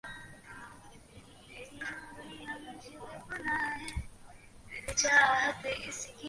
আমাদের যদি কবিতা পড়তেই হয় তা হলে অর্ধেকরাত্রে দরজা বন্ধ করে পড়া উচিত।